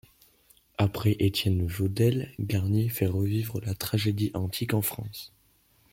Après Étienne Jodelle, Garnier fait revivre la tragédie antique en France.